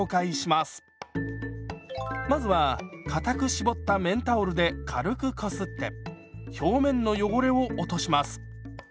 まずはかたく絞った綿タオルで軽くこすって表面の汚れを落とします。